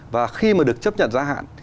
và khi mà được chấp nhận gia hạn